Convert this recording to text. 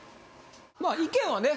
まあ意見はね